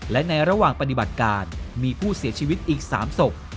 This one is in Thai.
และในระหว่างปฏิบัติการมีผู้เสียชีวิตอีก๓ศพ